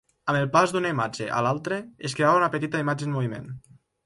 Amb el pas d'una imatge a l'altre, es creava una petita imatge en moviment.